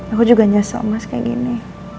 aku juga nyesel mas kayak gini